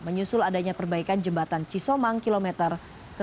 menyusul adanya perbaikan jembatan cisomang kilometer seratus delapan ratus